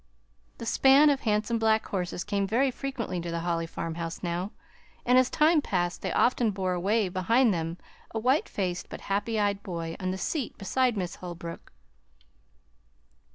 The span of handsome black horses came very frequently to the Holly farmhouse now, and as time passed they often bore away behind them a white faced but happy eyed boy on the seat beside Miss Holbrook.